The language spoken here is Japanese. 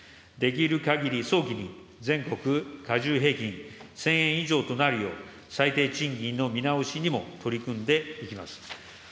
できるかぎり早期に、全国加重平均１０００円以上となるよう、最低賃金の見直しにも取り組んでいきます。